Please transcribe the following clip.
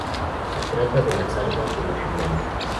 Se trata de las armas de los Milán.